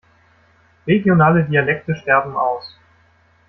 Regionale Dialekte sterben aus.